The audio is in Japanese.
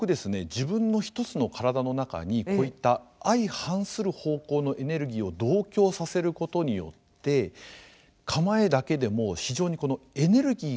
自分の一つの体の中にこういった相反する方向のエネルギーを同居させることによって構えだけでも非常にエネルギーが満ちた静止の状態を作ろうと思ってるんです。